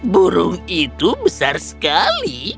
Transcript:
burung itu besar sekali